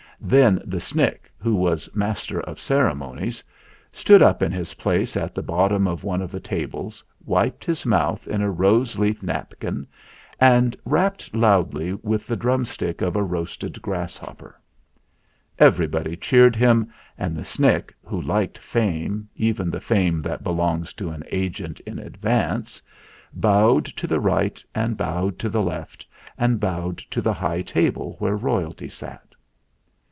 Then the Snick, who was Master of the Ceremonies, stood up in his place at the bottom of one of the tables, wiped his mouth in a rose leaf napkin, and rapped loudly with the drumstick of a roasted grasshopper. Everybody cheered him, and the Snick, who liked fame even the fame that belongs to an Agent in Advance bowed to the right and bowed to the left and bowed to the high table where royalty sat.